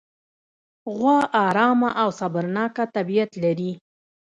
غوا ارامه او صبرناکه طبیعت لري.